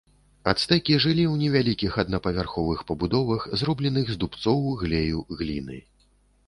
Ацтэкі жылі ў невялікіх аднапавярховых пабудовах, зробленых з дубцоў, глею, гліны.